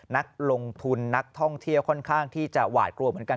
นักลงทุนนักท่องเที่ยวค่อนข้างที่จะหวาดกลัวเหมือนกัน